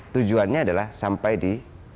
tujuannya adalah sampai di